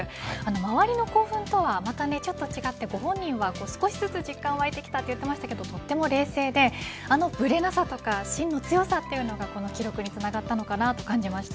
周りの興奮とはまっちょっと違って本人は少しずつ実感がわいてきたと言っていますがとっても冷静であのぶれなさとか芯の強さがこの記録につながったのかなと思います。